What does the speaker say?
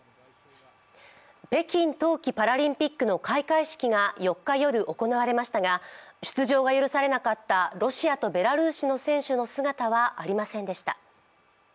北京冬季パラリンピックの開会式が４日夜、行われましたが出場が許されなかったロシアとベラルーシの選手の姿はありませんでした。